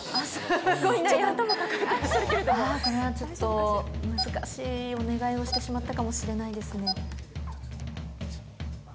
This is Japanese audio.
これはちょっと難しいお願いをしてしまったかもしれないですね。